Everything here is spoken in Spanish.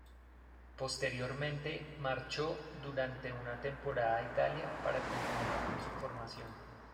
Posteriormente marchó durante una temporada a Italia para continuar con su formación.